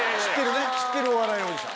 知ってるお笑いおじさん。